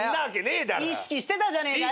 意識してたじゃねえかよ。